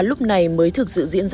là đầu mối khẩu trang